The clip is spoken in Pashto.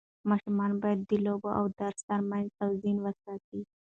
ماشوم باید د لوبو او درس ترمنځ توازن وساتي.